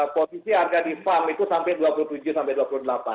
posisi harga di farm itu sampai rp dua puluh tujuh sampai rp dua puluh delapan